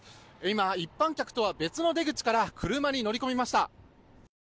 今、一般客とは別の出口から車に乗り込みました。